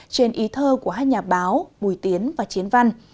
trên ý thơ của hai nhà báo bùi tiến và chiến văn